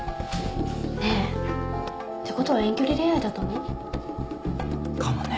ねえ？ってことは遠距離恋愛だったの？かもね。